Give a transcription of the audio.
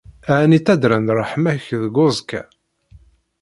Ɛni ttadren-d ṛṛeḥma-k deg uẓekka?